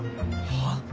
はっ？